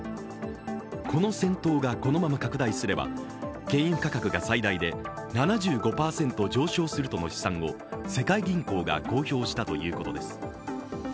この戦闘がこのまま拡大すれば、原油価格が最大で７５％上昇するとの試算を世界銀行が公表したということです。